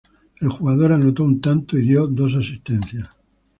El jugador anotó un tanto y dio dos asistencias.